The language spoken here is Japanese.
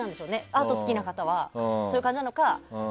アート好きな方はそういう感じなのか